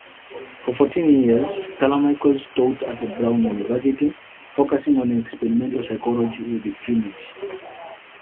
For fourteen years, Carmichael taught at Brown University, focusing on experimental psychology with primates.